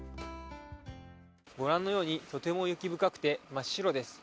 ご覧のようにとても雪深くて真っ白です。